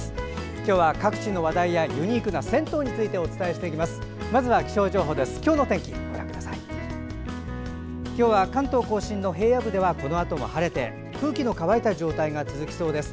今日は各地の話題やユニークな銭湯についてお伝えしていきます。